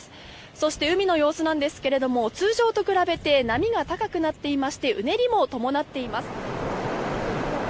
そして海の様子なんですが通常と比べて波が高くなっていましてうねりも伴っています。